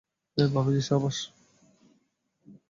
ভাবিজি, সাবাস।